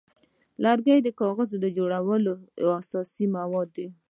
لرګی د کاغذ جوړولو یو اساسي مواد دی.